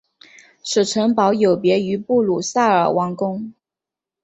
此城堡有别于布鲁塞尔王宫。